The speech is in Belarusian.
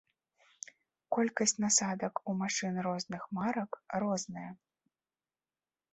Колькасць насадак у машын розных марак розная.